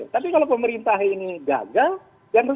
tapi kalau pemerintah ini gagal